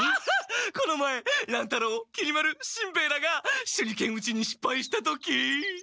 この前乱太郎きり丸しんべヱらが手裏剣打ちにしっぱいした時。